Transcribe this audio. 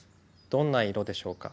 どんな色でしょうか？